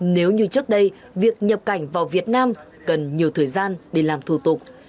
nếu như trước đây việc nhập cảnh vào việt nam cần nhiều thời gian để làm thủ tục